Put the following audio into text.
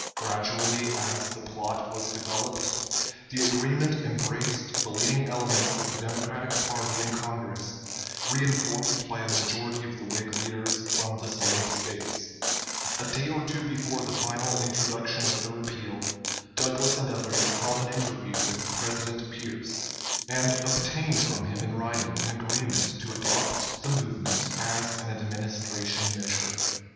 Gradually, as the plot was developed, the agreement embraced the leading elements of the Democratic party in Congress, reenforced by a majority of the Whig leaders from the slave States. A day or two before the final introduction of the repeal, Douglas and others held an interview with President Pierce, [Transcriber's Note: Lengthy footnote (1) relocated to chapter end.] and obtained from him in writing an agreement to adopt the movement as an Administration measure.